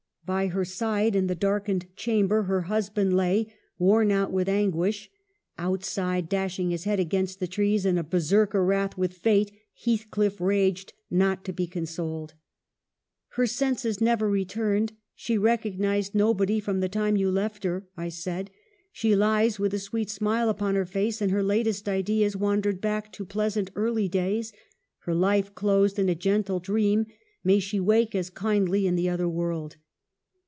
By her side, in the darkened chamber, her husband lay, worn out with an guish. Outside, dashing his head against the trees in a Berserker wrath with fate, Heathcliff raged, not to be consoled. "' Her senses never returned : she recognized nobody from the time you left her,' I said. ' She lies with a sweet smile upon her face, and her latest ideas wandered back to pleasant early days. Her life closed in a gentle dream — may she wake as kindly in the other world